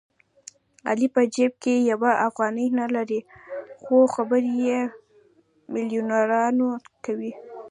علي په جېب کې یوه افغانۍ نه لري خو خبرې د مېلیونرانو کوي.